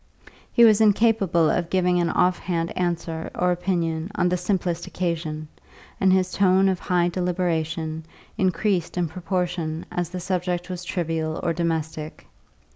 He was incapable of giving an off hand answer or opinion on the simplest occasion, and his tone of high deliberation increased in proportion as the subject was trivial or domestic.